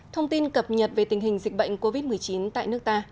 thông tin cập nhật về tình hình dịch bệnh covid một mươi chín tại nước ta